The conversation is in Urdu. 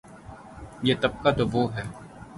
یہ طبقہ تو وہ ہے۔